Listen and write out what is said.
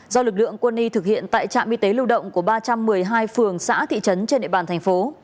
do lực lượng quân y thực hiện tại trạm y tế lưu động của ba trăm một mươi hai phường xã thị trấn trên địa bàn thành phố